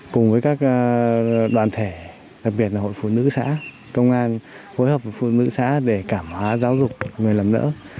cùng với các đoàn thể đặc biệt là hội phụ nữ xã công an phối hợp với phụ nữ xã để cảm hóa giáo dục người làm nỡ